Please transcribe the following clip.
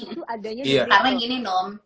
itu adanya sendiri karena gini nom